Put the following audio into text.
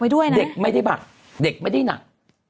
เด็กไม่ได้บักเด็กไม่ได้หนัก